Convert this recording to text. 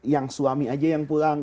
yang suami aja yang pulang